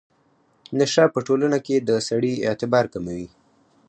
نشه په ټولنه کې د سړي اعتبار کموي.